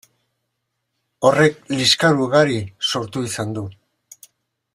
Horrek liskar ugari sortu izan du.